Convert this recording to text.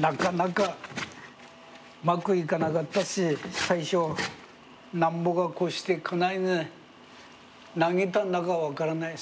なかなかうまくいかなかったし最初なんぼかこうして家内に投げたんだか分からない。